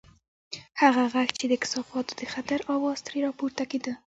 هغه غږ چې د کثافاتو د خطر اواز ترې راپورته کېده.